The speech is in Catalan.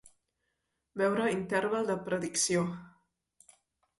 Veure interval de predicció.